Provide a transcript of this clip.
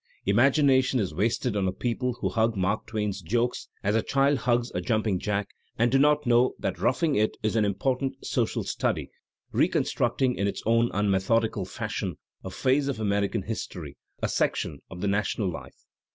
Imagination is wasted on a people who hug Mark Twain's jokes as a child hugs a jumping jack and do not know that "'Roughing It" is an important social study, reconstructing in its own unmethodical fashion a phase of American history, a section of the national life.